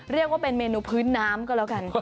เรียกว่าเป็นเมนูพื้นน้ำก็แล้วกัน